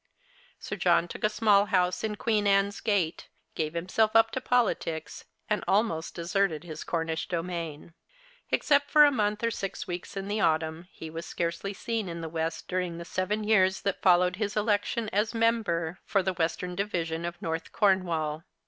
Sir John took a small house in Queen Anne's Gate, gave himself up to politics, and almost deserted his Cornish domain. Except for a month or six weeks in the autumn, he was scarcely seen in the West during the seven years that followed his election as Member for the Western Division of North Cornwall.